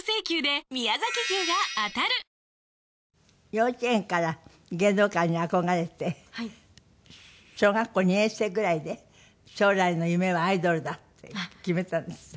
幼稚園から芸能界に憧れて小学校２年生ぐらいで将来の夢はアイドルだって決めたんですって？